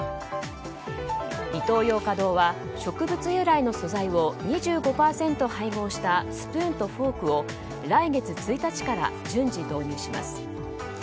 イトーヨーカドーは植物由来の素材を２５％配合したスプーンとフォークを来月１日から順次導入します。